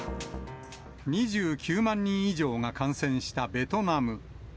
２９万人以上が感染したベトナム。